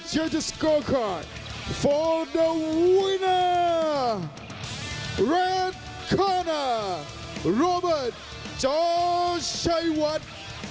เพื่อรักษาแรดคอร์น่าโรเบิร์ตจอร์ชัยวัด